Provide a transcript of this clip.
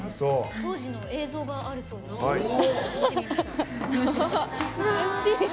当時の映像があるそうです。